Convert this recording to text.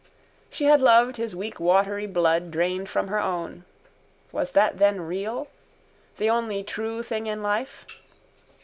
She had loved his weak watery blood drained from her own. Was that then real? The only true thing in life?